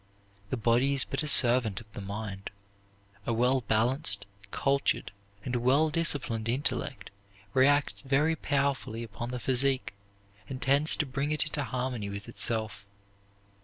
The body is but a servant of the mind. A well balanced, cultured, and well disciplined intellect reacts very powerfully upon the physique, and tends to bring it into harmony with itself.